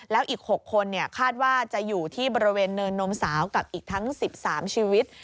แล้วอีก๖คนคาดว่าจะอยู่ที่บริเวณเนินนมสาวกับอีกทั้ง๑๓ชีวิต